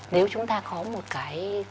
nếu chúng ta có một cái